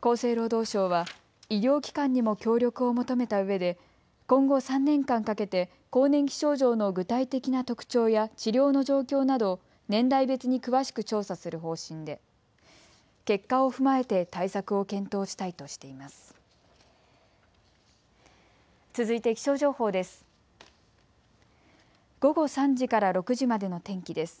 厚生労働省は医療機関にも協力を求めたうえで今後３年間かけて更年期症状の具体的な特徴や治療の状況などを年代別に詳しく調査する方針で結果を踏まえて対策を検討したいとしています。